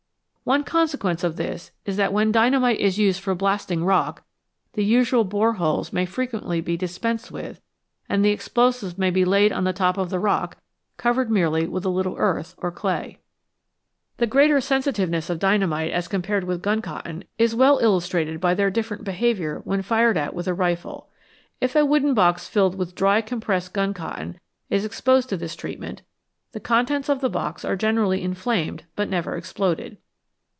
One consequence of this is that when dynamite is used for blasting rock, the usual bore holes may frequently be dispensed with, and the explosive may be laid on the top of the rock, covered merely with a little earth or clay. 178 OF THE UNIVERSITY EXPLOSIONS AND EXPLOSIVES The greater sensitiveness of dynamite as compared with gun cotton is well illustrated by their different behaviour when fired at with a rifle. If a wooden box filled with dry compressed gun cotton is exposed to this treatment, the contents of the box are generally inflamed but never exploded.